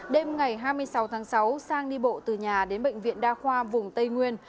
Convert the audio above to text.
đêm ngày hai mươi sáu tháng sáu sang đi bộ từ nhà đến bệnh viện đa khoa vùng tây nguyên